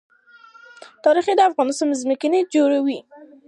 تاریخ د افغانستان د ځمکې د جوړښت یوه بله مهمه او ښکاره نښه ده.